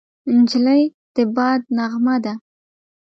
نجلۍ د باد نغمه ده.